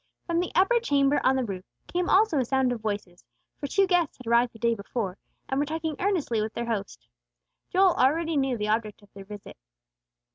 From the upper chamber on the roof, came also a sound of voices, for two guests had arrived the day before, and were talking earnestly with their host. Joel already knew the object of their visit.